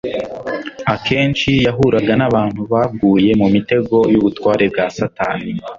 Akenshi yahuraga n'abantu baguye mu mitego y'ubutware bwa Satani,